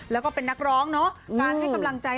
แล้วก็เป็นนักร้องเนอะการให้กำลังใจ